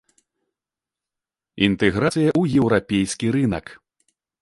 Інтэграцыя ў еўрапейскі рынак.